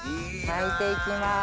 巻いて行きます。